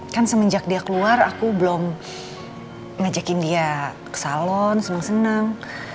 kan semenjak dia keluar aku belum ngajakin dia ke salon senang senang